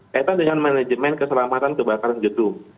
kaitan dengan manajemen keselamatan kebakaran gedung